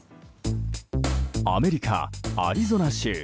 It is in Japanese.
アメリカ・アリゾナ州。